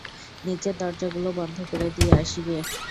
নিচের দরজাগুলো বন্ধ করে দিয়ে আসি গে।